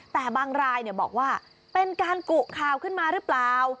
แต่บางรายบอกว่าเป็นการกุข่าวขึ้นมาหรือเปล่า